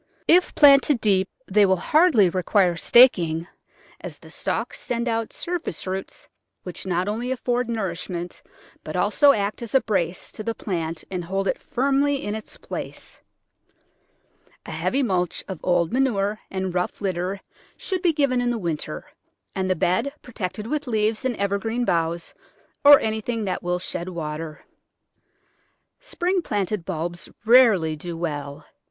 If planted deep they will hardly re quire staking, as the stalks send out surface roots which not only afford nourishment, but also act as a brace to the plant and hold it firmly in its place. Digitized by Google Digitized by Google Digitized by Google sixteen] %ty flattop lil^to* ,8 3 A heavy mulch of old manure and rough litter should be given in the winter, and the bed protected with leaves and evergreen boughs, or anything that will shed water. Spring planted bulbs rarely do well.